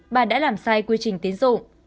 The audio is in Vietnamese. bà đã làm sai quy trình tiến dụng